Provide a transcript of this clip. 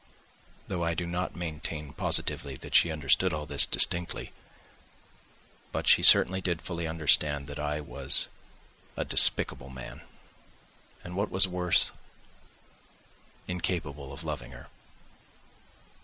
Though I do not maintain positively that she understood all this distinctly; but she certainly did fully understand that I was a despicable man, and what was worse, incapable of loving her.